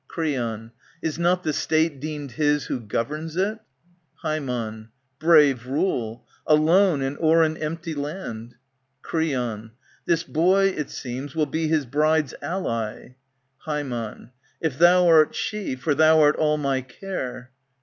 Creon, Is not the ^State deemed his who governs it ? Ham, Brave rule ! Alone, and o'er an empty land ! Creon, This boy, it seems, will be his bride's ally. ^^ Ham, If thou art she, for thou art all my care.